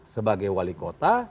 sebagai wali kota